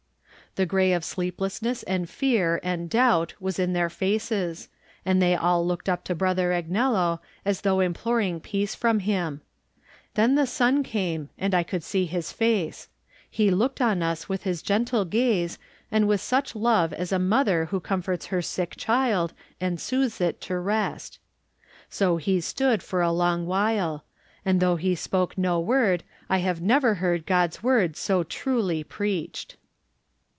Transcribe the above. The gray of sleeplessness and fear and doubt was in their faces, and they all looked up to Brother Agnello as though imploring peace from him. Then the sun came and I could see his face. He looked on us with his gentle gaze and with such love as a mother who comforts her sick child and soothes it to rest. So he stood for a long while, and though he spoke no word I have never heard God's Word so truly preached.